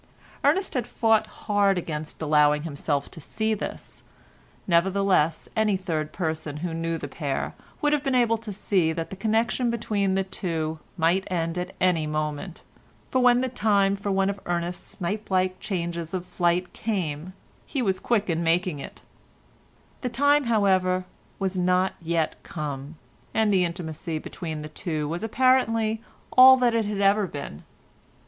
Ernest had fought hard against allowing himself to see this, nevertheless any third person who knew the pair would have been able to see that the connection between the two might end at any moment, for when the time for one of Ernest's snipe like changes of flight came, he was quick in making it; the time, however, was not yet come, and the intimacy between the two was apparently all that it had ever been.